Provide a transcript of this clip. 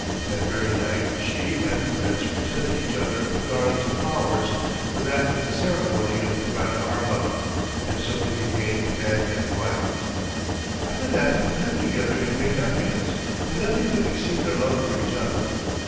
That very night she and the Prince presented each other with garlands of flowers, for that is the ceremony of Grandharva, and so they became man and wife. After that they lived together in great happiness, and nothing could exceed their love for each other.